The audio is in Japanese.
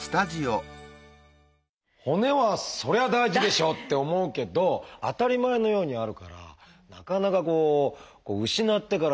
骨はそりゃ大事でしょって思うけど当たり前のようにあるからなかなかこう失ってからでないと